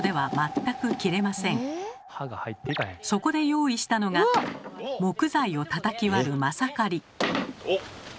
そこで用意したのが木材をたたき割るマサカリ。